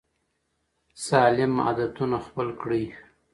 سالم عادتونه خپل کړئ.